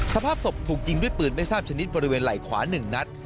สภาพศพถูกยิงด้วยปืนไม่ทราบชนิดบริเวณไหล่ขวา๑นัด